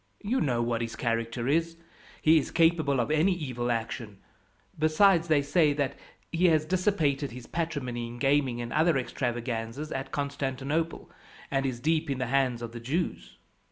You know what his character is. He is capable of any evil action; besides, they say that he has dissipated his patrimony, in gaming and other extravagances at Constantinople, and is deep in the hands of the Jews.